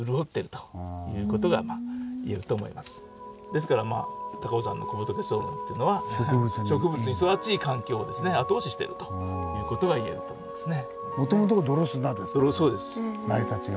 ですから高尾山の小仏層群っていうのは植物に育ちいい環境を後押ししてると言えると思うんですね。